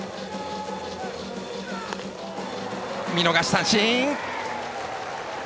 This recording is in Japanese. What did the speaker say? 見逃し三振。